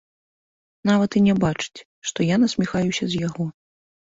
Нават і не бачыць, што я насміхаюся з яго.